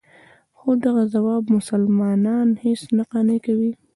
خو دغه ځواب مسلمانان هېڅ نه قانع کوي.